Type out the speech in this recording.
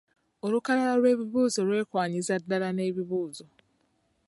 Olukalala lw’ebibuuzo lwekwanyiza ddala n’ebibuuzo.